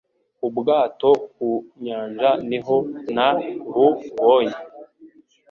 Ubwato ku nyanja niho na bu bonye